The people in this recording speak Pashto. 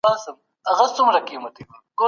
د ټولني خرافات او ناوړه دودونه بايد له منځه يوړل سي.